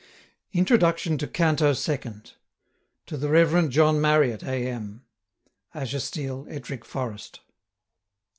INTRODUCTION TO CANTO SECOND. TO THE REV JOHN MARRIOTT, A. M. Ashestiel, Ettrick Forest.